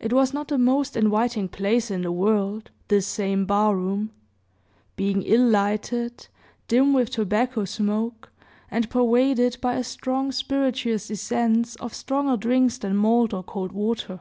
It was not the most inviting place in the world, this same bar room being illy lighted, dim with tobacco smoke, and pervaded by a strong spirituous essence of stronger drinks than malt or cold water.